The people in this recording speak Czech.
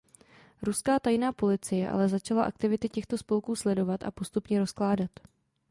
Ruská tajná policie ale začala aktivity těchto spolků sledovat a postupně rozkládat.